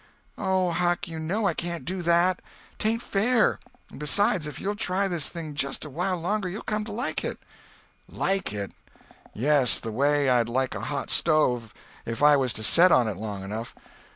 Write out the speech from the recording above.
"Oh, Huck, you know I can't do that. 'Tain't fair; and besides if you'll try this thing just a while longer you'll come to like it." "Like it! Yes—the way I'd like a hot stove if I was to set on it long enough.